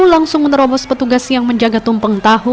langsung menerobos petugas yang menjaga tumpeng tahu